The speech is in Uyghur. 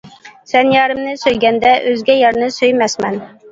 سەن يارىمنى سۆيگەندە، ئۆزگە يارنى سۆيمەسمەن.